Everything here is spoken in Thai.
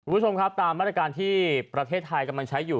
คุณผู้ชมครับตามมาตรการที่ประเทศไทยกำลังใช้อยู่